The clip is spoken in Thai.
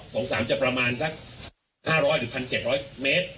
ผงสามจะประมาณซัก๕๐๐๑๗๐๐เมตร